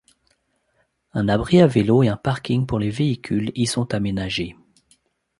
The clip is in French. Un abri à vélos et un parking pour les véhicules y sont aménagés.